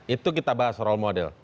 itu kita bahas role model